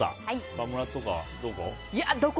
川村とかどこ？